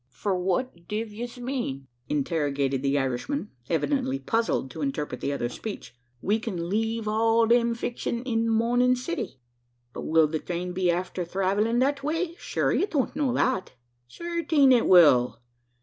"Fwhat div yez mane?" interrogated the Irishman evidently puzzled to interpret the other's speech. "We kin leave all them fixing in Morming City." "But will the thrain be afther thravellin' that way? Shure ye don't know that." "Certing it will.